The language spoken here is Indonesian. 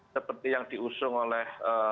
seperti yang diusung oleh